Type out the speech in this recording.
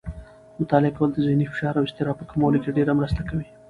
مطالعه کول د ذهني فشار او اضطراب په کمولو کې ډېره مرسته کوي.